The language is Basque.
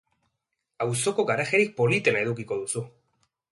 Auzoko garajerik politena edukiko duzu!